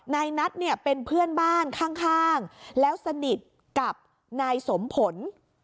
นายนัทเนี่ยเป็นเพื่อนบ้านข้างแล้วสนิทกับนายสมผล